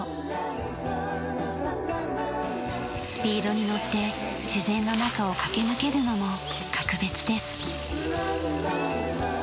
スピードにのって自然の中を駆け抜けるのも格別です。